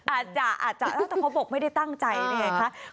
อาจจะอาจจะเขาบอกไม่ได้ตั้งใจนะคะ